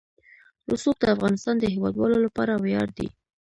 رسوب د افغانستان د هیوادوالو لپاره ویاړ دی.